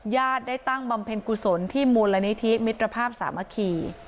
ญาติได้ตั้งบำเพ็ญกุศลที่มูลนิธิมิตรภาพสามัคคี